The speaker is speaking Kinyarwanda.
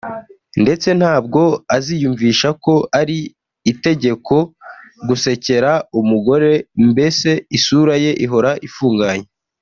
ndetse ntabwo aziyumvisha ko ari itegeko gusekera umugore mbese isura ye ihora ifunganye